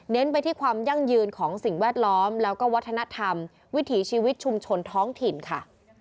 ไปที่ความยั่งยืนของสิ่งแวดล้อมแล้วก็วัฒนธรรมวิถีชีวิตชุมชนท้องถิ่นค่ะ